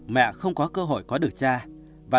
mẹ không có cơ hội có được cha